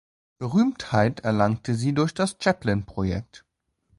Berühmtheit erlangte sie durch das Chaplin-Projekt.